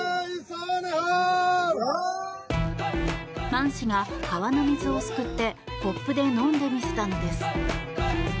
マン氏が川の水をすくってコップで飲んで見せたのです。